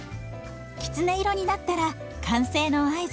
きつね色になったら完成の合図。